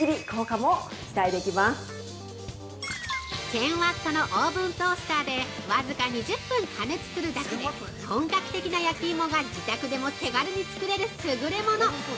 ◆１０００ワットのオーブントースターで、わずか２０分加熱するだけで本格的な焼き芋が自宅でも手軽に作れる優れもの！